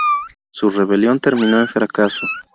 Su rebelión terminó en fracaso.